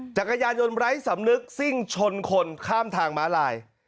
จักรยานยนไร้สำนึกซิ่งชนคนข้ามทางม้าลาย